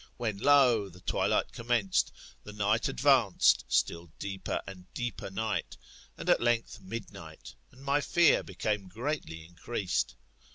When lo, the twilight commenced, the night advanced, still deeper and deeper night, and at length midnight ; and my fear became greatly increased.